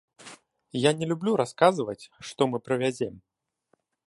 Я не люблю расказваць, што мы прывязем.